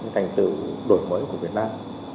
thành tựu đổi mới của việt nam